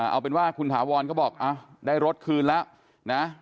เอาเป็นว่าคุณถาวรก็บอกได้รถคืนแล้วนะ